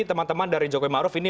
teman teman dari jokowi maruf ini